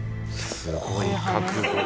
すごい覚悟。